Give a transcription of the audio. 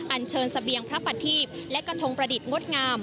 อันเชิญเสบียงพระประทีพและกระทงประดิษฐ์งดงาม